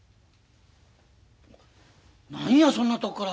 何やそんなとこから。